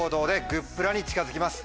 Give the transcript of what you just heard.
グップラに近づきます。